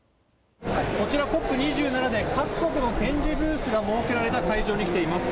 こちら、ＣＯＰ２７で各国の展示ブースが設けられた会場に来ています。